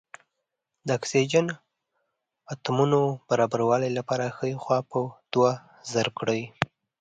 د اکسیجن اتومونو برابرولو لپاره ښۍ خوا په دوه ضرب کړئ.